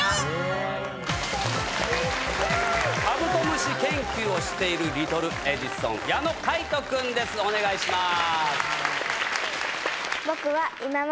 ・ちっちゃいカブトムシ研究をしているリトルエジソン矢野翔大くんですお願いします